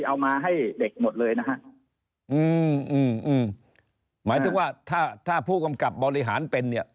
เอามาให้เด็กหมดเลยนะฮะอืมอืมหมายถึงว่าถ้าถ้าผู้กำกับบริหารเป็นเนี่ย